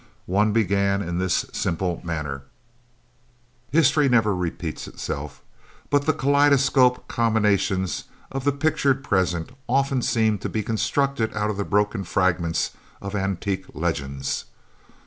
One began in this simple manner: History never repeats itself, but the Kaleidoscopic combinations of the pictured present often seem to be constructed out of the broken fragments of antique legends.